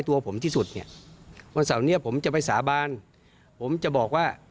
ถ้าผมไม่ได้ทำ